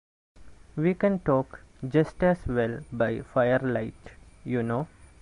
We can talk just as well by firelight, you know.